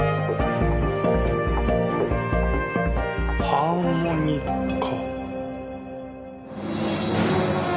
ハーモニカ。